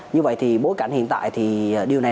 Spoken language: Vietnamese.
như vậy thì bối cảnh hiện tại thì điều này